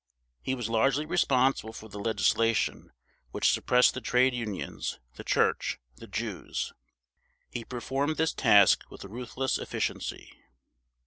He was largely responsible for the legislation which suppressed the trade unions, the church, the Jews. He performed this task with ruthless efficiency.